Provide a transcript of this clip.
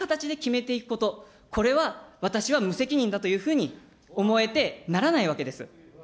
将来を担う若者への負担をこんな形で決めていくこと、これは私は無責任だというふうに思えてならないわけです。